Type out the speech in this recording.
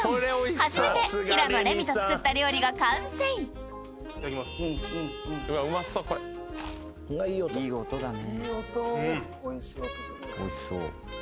初めて平野レミと作った料理が完成うん！